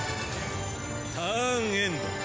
ターンエンド。